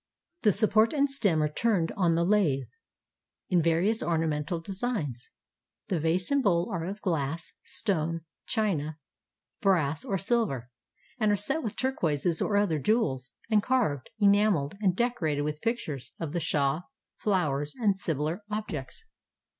The support and stem are turned on the lathe, in various ornamental designs. The vase and bowl are of glass, stone, china, brass, or silver, and are set with turquoises or other jewels, and carved, enameled, and decorated with pic tures of the shah, flowers, and similar objects.